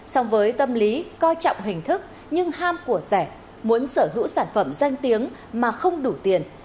song với tâm lý coi trọng hình thức nhưng ham của rẻ muốn sở hữu sản phẩm danh tiếng mà không đủ tiền